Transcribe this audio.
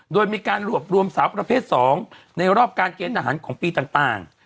โดยมีการรวบรวมสาวประเภท๒ในรอบการเกณฑ์ทหารของปีต่าง